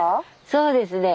そうですね。